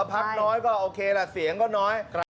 พักน้อยก็โอเคล่ะเสียงก็น้อย